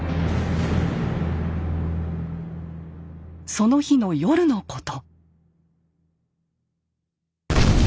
その日の夜のこと。